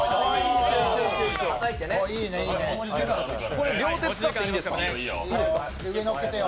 これ両手使っていいんですか？